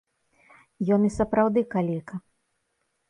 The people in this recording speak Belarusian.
Ён і сапраўды калека.